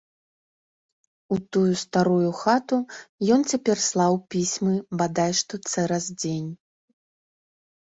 У тую старую хату ён цяпер слаў пісьмы бадай што цераз дзень.